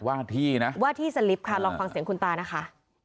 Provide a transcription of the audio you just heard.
ว่าที่นะว่าที่สลิปค่ะลองฟังเสียงคุณตานะคะ